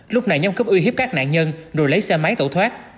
lúc này nhóm cướp uy hiếp các nạn nhân rồi lấy xe máy tẩu thoát